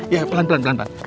ya pelan pelan sini sini